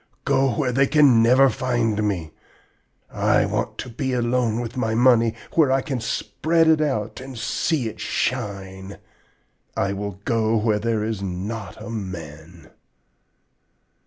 Go where they can never find me! I want to be alone with my money, where I can spread it out and see it shine! I will go where there is not a man!'